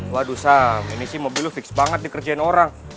waduh sam ini sih mobilnya fix banget dikerjain orang